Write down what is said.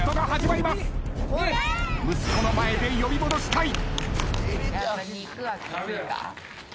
息子の前で呼び戻したい。